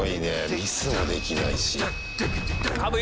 ミスができないし。